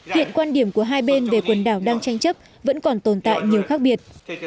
hiện quan điểm của hai bên về quần đảo đang tranh chấp vẫn còn tồn tại nhiều khác biệt